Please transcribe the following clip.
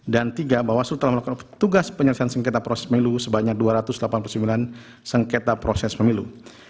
dan tiga bawaslu telah melakukan tugas penyelesaian sengketa proses pemilu sebanyak dua ratus delapan puluh sembilan sengketa proses pemilu